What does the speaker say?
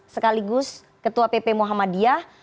sekaligus ketua pp muhammadiyah